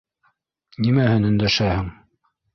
Нимәһен өндәшәһең?